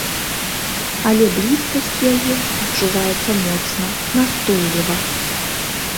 Але блізкасць яе адчуваецца моцна, настойліва.